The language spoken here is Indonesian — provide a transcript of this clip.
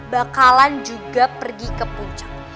bakalan juga pergi ke puncak